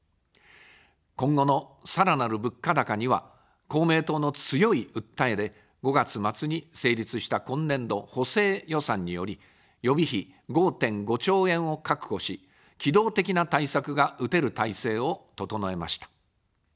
今後のさらなる物価高には公明党の強い訴えで、５月末に成立した今年度補正予算により、予備費５．５兆円を確保し、機動的な対策が打てる体制を整えました。